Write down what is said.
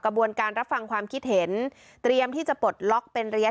บวนการรับฟังความคิดเห็นเตรียมที่จะปลดล็อกเป็นระยะ